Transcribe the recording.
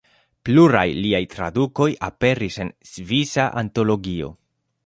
Pluraj liaj tradukoj aperis en Svisa antologio.